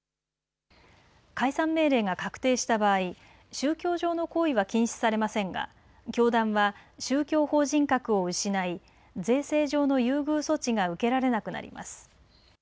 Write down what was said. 解散命令が確定した場合宗教上の行為は禁止されませんが教団は、宗教法人格を失い税制上の優遇処置が受けられなくなります。